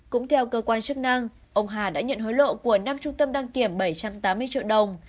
cũng theo cơ quan chức năng ông hà đã nhận hối lộ của năm trung tâm đăng kiểm bảy trăm tám mươi triệu đồng